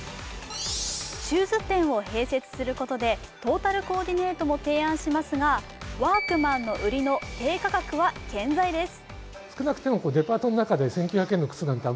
シューズ店を併設することでトータルコーディネートも提案しますが、ワークマンの売りの低価格は健在です。